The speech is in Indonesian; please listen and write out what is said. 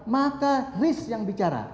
maka risk yang bicara